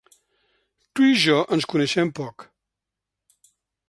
Tu i jo ens coneixem poc.